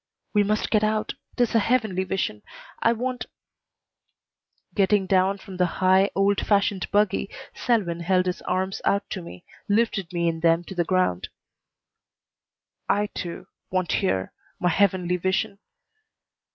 "We must get out. It is a heavenly vision. I want " Getting down from the high, old fashioned buggy, Selwyn held his arms out to me, lifted me in them to the ground. "I, too, want here my heavenly vision."